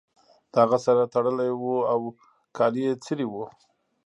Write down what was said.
د هغه سر تړلی و او کالي یې څیرې وو